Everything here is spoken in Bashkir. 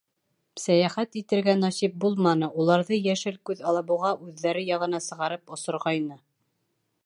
Сәйәхәт итергә насип булманы уларҙы Йәшел күҙ алабуға үҙҙәре яғына сығарып осорғайны.